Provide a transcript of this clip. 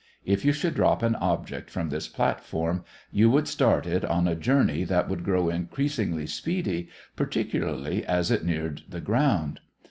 If you should drop an object from this platform you would start it on a journey that would grow increasingly speedy, particularly as it neared the ground.